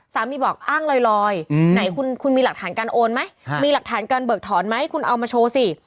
บอกอ้างลอยไหนคุณมีหลักฐานการโอนไหมมีหลักฐานการเบิกถอนไหมคุณเอามาโชว์สิ